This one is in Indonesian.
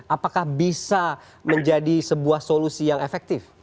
apakah bisa menjadi sebuah solusi yang efektif